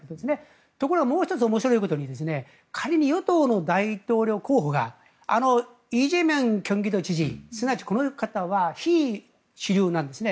ところが、もう１つ面白いことに仮に与党の大統領候補があのイ・ジェミョン京畿道知事すなわちこの方は非主流なんですね。